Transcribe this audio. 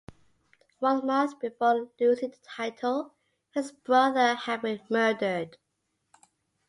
One month before losing the title, his brother had been murdered.